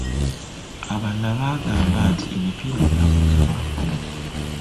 Abalala baagamba nti emipiira gyavuga nga bbomu.